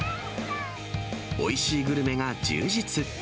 おいしいグルメが充実。